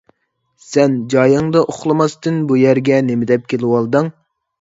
سەن جايىڭدا ئۇخلىماستىن بۇ يەرگە نېمىدەپ كېلىۋالدىڭ؟